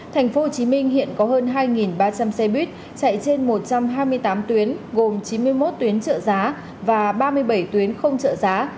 tp hcm hiện có hơn hai ba trăm linh xe buýt chạy trên một trăm hai mươi tám tuyến gồm chín mươi một tuyến trợ giá và ba mươi bảy tuyến không trợ giá